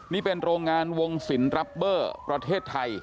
นี่เป็นโรงงานวงศิลปเบอร์ประเทศไทย